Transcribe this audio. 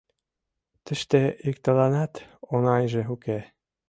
Тыште иктыланат оҥайже уке.